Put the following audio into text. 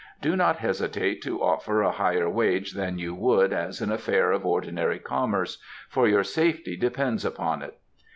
Do not hesitate to offer a higher wage than you would as an affair of ordinary commerce, for your safety depends upon it.